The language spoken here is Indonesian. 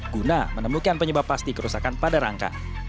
guna menemukan penyebab pasti kerusakan pada rangka